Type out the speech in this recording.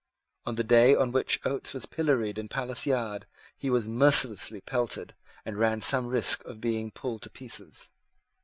On the day on which Oates was pilloried in Palace Yard he was mercilessly pelted and ran some risk of being pulled in pieces.